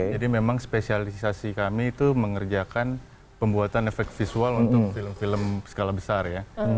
jadi memang spesialisasi kami itu mengerjakan pembuatan efek visual untuk film film skala besar ya